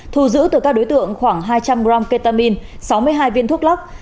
thu giữ từ các đối tượng khoảng hai trăm linh g ketamine sáu mươi hai viên thuốc lắc